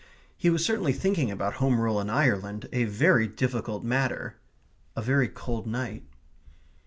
He was certainly thinking about Home Rule in Ireland a very difficult matter. A very cold night.